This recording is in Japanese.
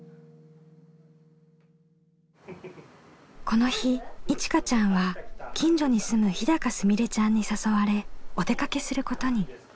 この日いちかちゃんは近所に住む日すみれちゃんに誘われお出かけすることに。